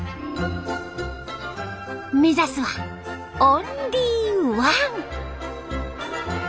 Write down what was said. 目指すはオンリーワン！